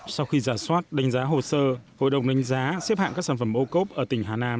sau khi giả soát đánh giá hồ sơ hội đồng đánh giá xếp hạng các sản phẩm ô cốp ở tỉnh hà nam